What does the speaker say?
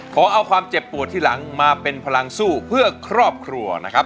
ขอเอาความเจ็บปวดที่หลังมาเป็นพลังสู้เพื่อครอบครัวนะครับ